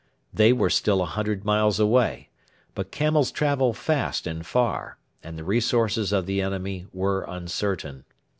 They were still a hundred miles away, but camels travel fast and far, and the resources of the enemy were uncertain.